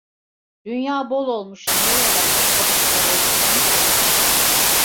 Dünya bol olmuş neye yarar, pabuç dar olduktan sonra.